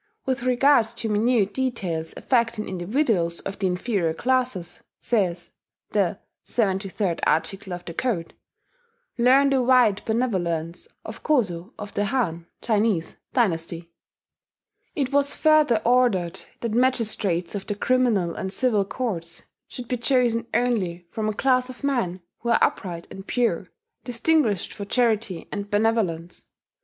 "With regard to minute details affecting individuals of the inferior classes," says the 73d article of the code, "learn the wide benevolence of Koso of the Han [Chinese] dynasty." It was further ordered that magistrates of the criminal and civil courts should be chosen only from "a class of men who are upright and pure, distinguished for charity and benevolence."